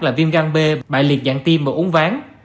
là viêm gan bại liệt dạng tim và uống ván